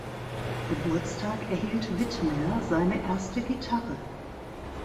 Geburtstag erhielt Witmer seine erste Gitarre.